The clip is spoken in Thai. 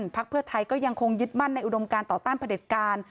พักเพื่อไทยก็ยังคงยึดมั่นในอุดมการต่อต้านพระเด็จการ